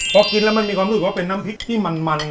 พอกินแล้วมันมีความรู้สึกว่าเป็นน้ำพริกที่มัน